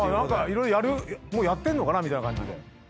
色々やるもうやってんのかなみたいな感じで。